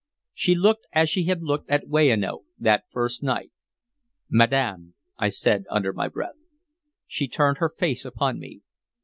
She looked as she had looked at Weyanoke, that first night. "Madam," I said under my breath. She turned her face upon me.